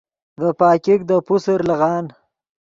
ڤے پاګیک دے پوسر لیغان